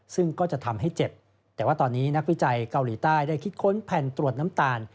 ซึ่งก็จะทำให้เจ็บแต่ว่าตอนนี้นักวิจัยเกาหลีใต้ได้คิดค้นแผ่นตรวจน้ำตาล